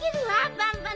バンバン！